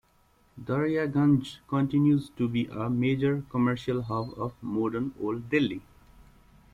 Daryaganj continues to be a major commercial hub of modern Old Delhi.